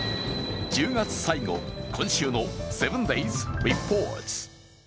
１０月最後、今週の「７ｄａｙｓリポート」。